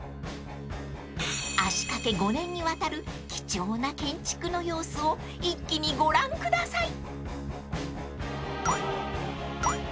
［足かけ５年にわたる貴重な建築の様子を一気にご覧ください］